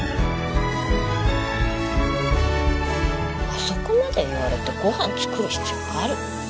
あそこまで言われてご飯作る必要ある？